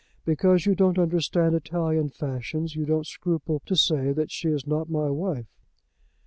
Because you don't understand Italian fashions you don't scruple to say that she is not my wife."